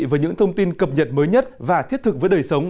với những thông tin cập nhật mới nhất và thiết thực với đời sống